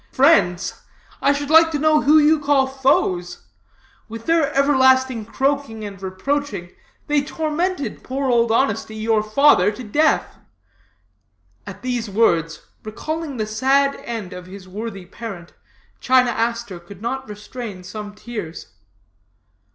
Friends? I should like to know who you call foes? With their everlasting croaking and reproaching they tormented poor Old Honesty, your father, to death.' "At these words, recalling the sad end of his worthy parent, China Aster could not restrain some tears.